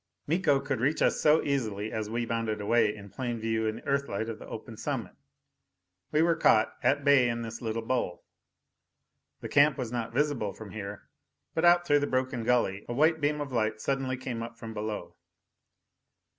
Miko could reach us so easily as we bounded away in plain view in the Earthlight of the open summit! We were caught, at bay in this little bowl. The camp was not visible from here. But out through the broken gully, a white beam of light suddenly came up from below.